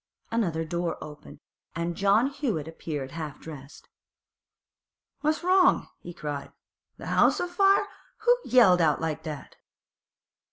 Another door opened, and John Hewett appeared half dressed. 'What's wrong?' he cried. 'The 'ouse o' fire? Who yelled out like that?